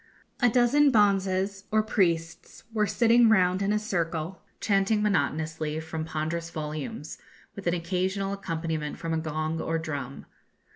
A dozen bonzes, or priests, were sitting round in a circle, chanting monotonously from ponderous volumes, with an occasional accompaniment from a gong or drum.